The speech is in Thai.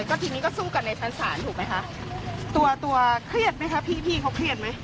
ก็ทีนี้ก็สู้กันในชั้นศาลถูกไหมคะตัวตัวเครียดไหมคะพี่พี่เขาเครียดไหม